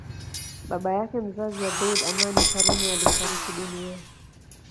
Baba yake mzazi Abeid Amani Karume alifariki dunia